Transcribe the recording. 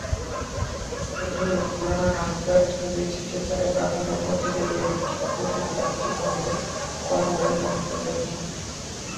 এটি হলে পুরান ঢাকায় ছড়িয়ে-ছিটিয়ে থাকা কারখানাগুলো একটি ভালো কর্মপরিবেশে চলে আসবে।